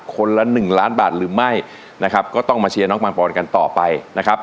ละหนึ่งล้านบาทหรือไม่นะครับก็ต้องมาเชียร์น้องปังปอนกันต่อไปนะครับ